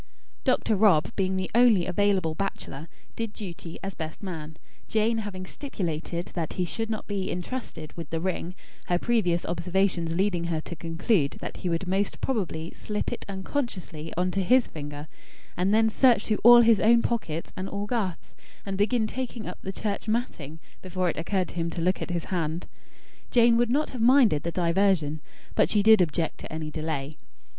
Dr. Rob, being the only available bachelor, did duty as best man; Jane having stipulated that he should not be intrusted with the ring; her previous observations leading her to conclude that he would most probably slip it unconsciously on to his finger, and then search through all his own pockets and all Garth's; and begin taking up the church matting, before it occurred to him to look at his hand. Jane would not have minded the diversion, but she did object to any delay.